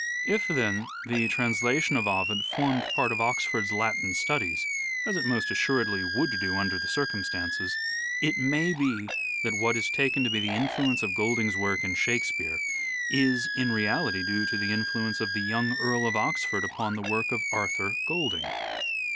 If, then, the translation of Ovid formed part of Oxford's latin studies — as it most assuredly would do under the circumstances — it may be that what is taken to be the influence of Golding 's work in " Shakespeare " is in reality due to the influence of the young Earl of Oxford upon the work of Arthur Golding.